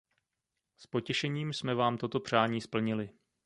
S potěšením jsme vám toto přání splnili.